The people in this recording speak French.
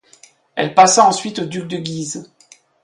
Elle passa ensuite aux ducs de Guise.